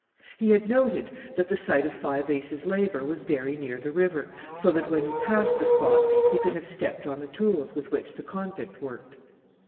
He had noted that the site of Five Ace's labour was very near the river, so that when he passed the spot he could have stepped on the tools with which the convict worked.